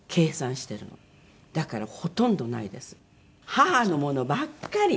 母のものばっかり！